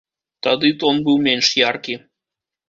Тады тон быў менш яркі.